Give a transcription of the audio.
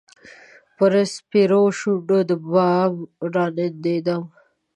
پر سپیرو شونډو د بام راننېدمه